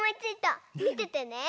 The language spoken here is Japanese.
みててね！